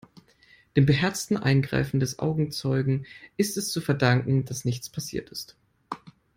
Dem beherzten Eingreifen des Augenzeugen ist es zu verdanken, dass nichts passiert ist.